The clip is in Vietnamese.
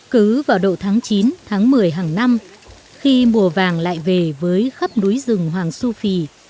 cứ vào độ tháng chín tháng một mươi hàng năm khi mùa vàng lại về với khắp núi rừng hoàng su phi